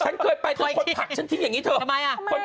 ฉันเคยไปเธอคนผลักฉันทิ้งอย่างนี้เถอะ